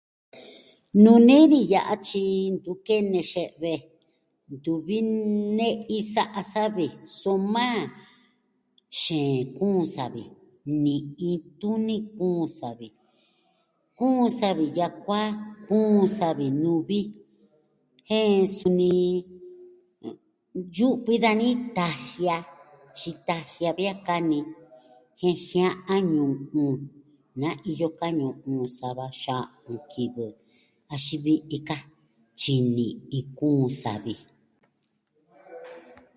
Nuu nee ni ya'a, tyi... ntu kene xe've. Ntuvi ne'i sa'a savi. Soma xeen kuun savi, ni'i tuni kuun savi. Kuun savi yakuaa, kuun savi nuvi. Jen suni yu'vi dani tajia, tyi tajia vi a kani. Jen jia'an ñu'un. Na iyo ka ñu'un sava xa'un kivɨ, axin vi tika. Tyi ni'i kuun savi.